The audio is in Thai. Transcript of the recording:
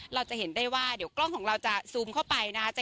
เราจะเห็นได้ว่าเดี๋ยวกล้องของเราจะซูมเข้าไปนะคะ